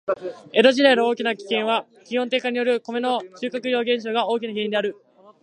江戸時代の大きな飢饉は、気温低下によるコメの収穫量減少が大きな原因である。